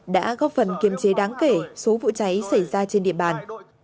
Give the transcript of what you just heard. đã góp phần kiềm chế đáng kể số vụ cháy xảy ra trên địa bàn